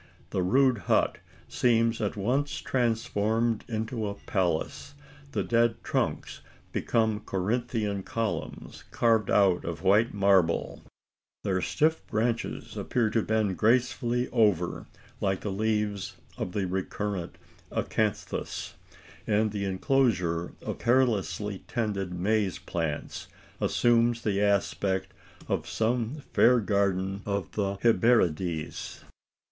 The rude hut seems at once transformed into a palace the dead trunks become Corinthian columns carved out of white marble their stiff branches appear to bend gracefully over, like the leaves of the recurrent acanthus and the enclosure of carelessly tended maize plants assumes the aspect of some fair garden of the Hesperides!